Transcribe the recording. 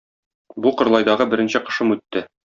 Бу Кырлайдагы беренче кышым үтте.